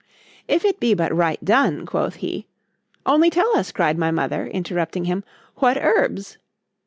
—— ——If it be but right done, quoth he:—only tell us, cried my mother, interrupting him, what herbs?